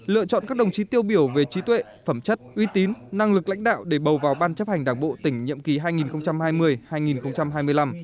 lựa chọn các đồng chí tiêu biểu về trí tuệ phẩm chất uy tín năng lực lãnh đạo để bầu vào ban chấp hành đảng bộ tỉnh nhiệm kỳ hai nghìn hai mươi hai nghìn hai mươi năm